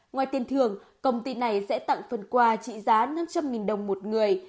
ngoài tiền thưởng công ty này sẽ tặng phần quà trị giá năm trăm linh đồng một người